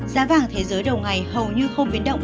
giá vàng thế giới đầu ngày hầu như không biến động